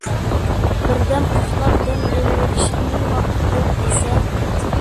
بىردەم ئۇخلاپ دەم ئېلىۋېلىشقىمۇ ۋاقىت يوق دېسە.